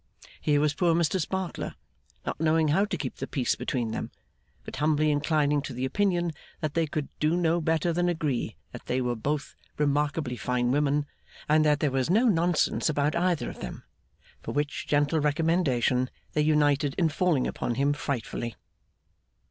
Here was poor Mr Sparkler, not knowing how to keep the peace between them, but humbly inclining to the opinion that they could do no better than agree that they were both remarkably fine women, and that there was no nonsense about either of them for which gentle recommendation they united in falling upon him frightfully.